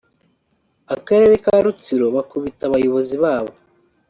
Akarere ka Rutsiro bakubita abayobozi babo